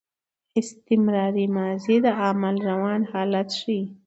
استمراري ماضي د عمل روان حالت ښيي.